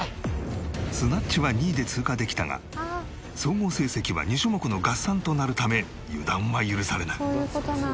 スナッチは２位で通過できたが総合成績は２種目の合算となるため油断は許されない。